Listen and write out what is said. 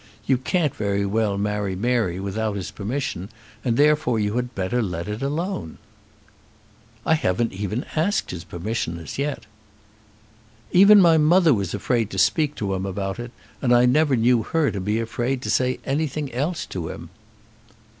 You can't very well marry Mary without his permission, and therefore you had better let it alone." "I haven't even asked his permission as yet." "Even my mother was afraid to speak to him about it, and I never knew her to be afraid to say anything else to him."